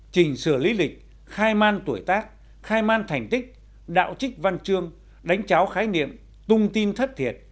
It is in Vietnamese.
chỉnh sửa lý lịch khai man tuổi tác khai man thành tích đạo trích văn chương đánh cháo khái niệm tung tin thất thiệt